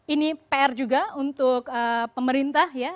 ini pr juga untuk pemerintah ya